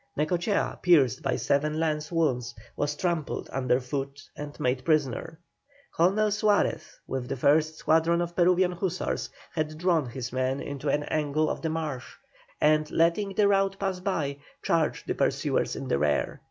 Necochea, pierced by seven lance wounds, was trampled under foot and made prisoner. Colonel Suarez, with the first squadron of Peruvian hussars, had drawn his men into an angle of the marsh, and, letting the rout pass by, charged the pursuers in the rear.